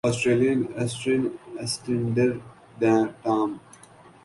Australian Eastern Standard time